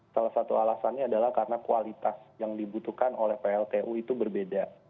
salah satu alasannya adalah karena kualitas yang dibutuhkan oleh pltu itu berbeda